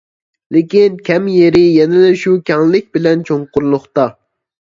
لېكىن كەم يېرى يەنىلا شۇ كەڭلىك بىلەن چوڭقۇرلۇقتا.